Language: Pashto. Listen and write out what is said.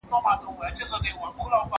زه بايد منډه ووهم،